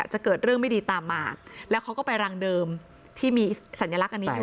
จะเกิดเรื่องไม่ดีตามมาแล้วเขาก็ไปรังเดิมที่มีสัญลักษณ์อันนี้อยู่